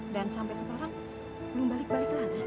dan sampai sekarang belum balik balik lagi